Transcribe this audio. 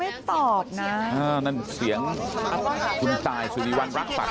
ไม่ตอบนะอ่านั่นเสียงสุนตายสุริวัณรักษัตริย์